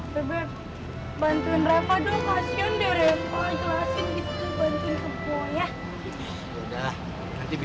bebek bantuin repa dong kasian deh repa jelasin gitu bantuin ke boy ya